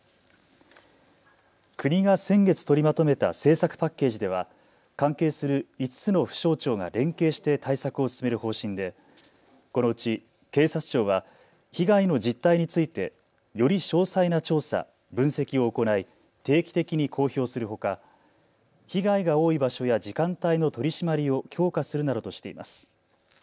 国が先月、取りまとめた政策パッケージでは関係する５つの府省庁が連携して対策を進める方針でこのうち警察庁は被害の実態について、より詳細な調査、分析を行い、定期的に公表するほか、被害が多い場所や時間帯の取締りを強化するなどとしています。